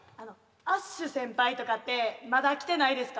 アッシュ先輩とかってまだ来てないですか？